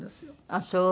ああそう。